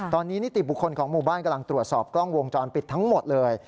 ตอนนี้นิติบุคคลของหมู่บ้านกำลังตรวจสอบกล้องวงจรปิดทั้งหมดเลย